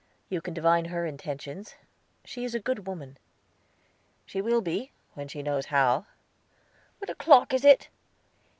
You can divine her intentions. She is a good woman." "She will be, when she knows how." "What o'clock is it?"